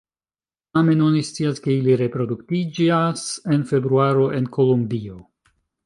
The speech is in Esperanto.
Tamen oni scias, ke ili reproduktiĝas en februaro en Kolombio.